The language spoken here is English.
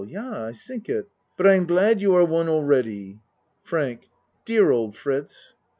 Yah, I tink it. But I am glad you are one already. FRANK Dear old Fritz!